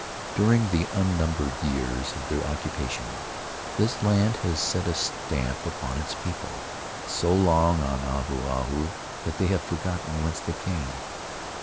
During the unnumbered years of their occupation, the land has set a stamp upon its people — so long on Ahu Ahu that they have forgotten whence they came.